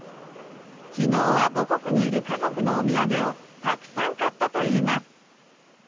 昨日は母国にいる家族のお土産をたくさん買ったといいます。